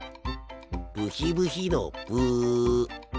ブヒブヒのブ。